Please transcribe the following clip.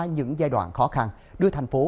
những giai đoạn khó khăn đưa thành phố